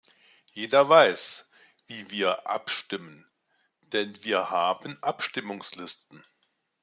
Jeder weiß, wie wir abstimmen, denn wir haben Abstimmungslisten.